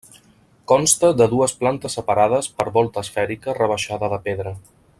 Consta de dues plantes separades per volta esfèrica rebaixada de pedra.